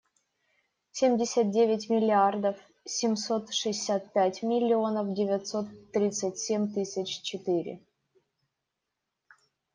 Семьдесят девять миллиардов семьсот шестьдесят пять миллионов девятьсот тридцать семь тысяч четыре.